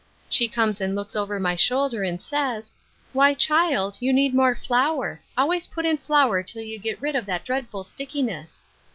And she comes and looks over my shoul der, and says, ' Why, child, you need more flour ; always put in flour till you get rid of that dread ful stickiness.'